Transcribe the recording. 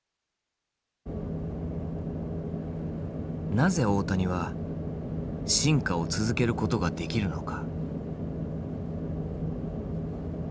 なぜ大谷は進化を続けることができるのか。